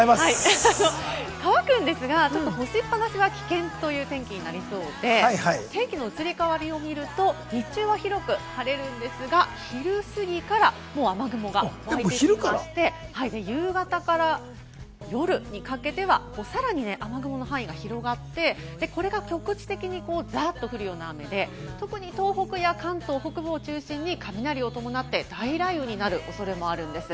乾くんですが、干しっぱなしは危険という天気になりそうで、天気の移り変わりを見ると、日中は広く晴れるんですが、昼すぎから雨雲が出てきて夕方から夜にかけてはさらに雨雲の範囲が広がって、これが局地的にザーッと降るような雨で、特に東北や関東などを中心に雷を伴って大雷雨になる可能性があるんです。